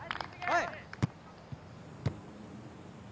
はい！